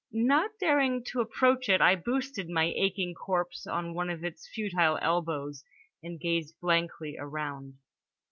Not daring to approach it, I boosted my aching corpse on one of its futile elbows and gazed blankly around.